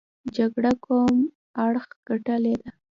جګړه کوم اړخ ګټلې ده.